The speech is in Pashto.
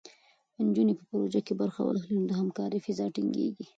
نجونې په پروژو کې برخه واخلي، نو د همکارۍ فضا ټینګېږي.